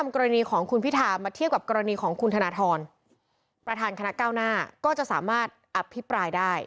กรณีคดีของคุณพิธาย